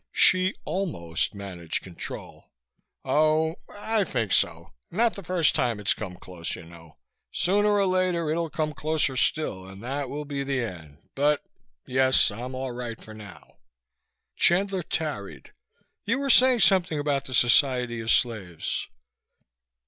Hsi almost managed control. "Oh I think so. Not the first time it's come close, you know. Sooner or later it'll come closer still, and that will be the end, but yes, I'm all right for now." Chandler tarried. "You were saying something about the Society of Slaves."